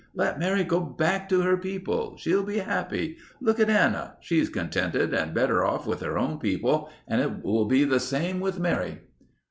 Let Mary go back to her people. She'll be happy. Look at Anna ... she's contented and better off with her own people and it will be the same with Mary."